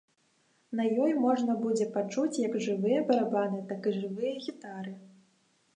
На ёй можна будзе пачуць як жывыя барабаны, так і жывыя гітары.